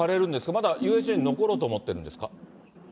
まだＵＳＪに残ろうと思ってるんですか？